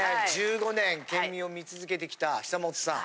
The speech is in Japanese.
１５年県民を見続けてきた久本さん